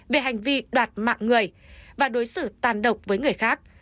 về hành vi đoạt mạng người và đối xử tàn độc với người khác